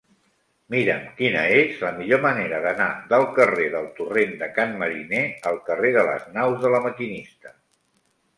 Mira'm quina és la millor manera d'anar del carrer del Torrent de Can Mariner al carrer de les Naus de La Maquinista.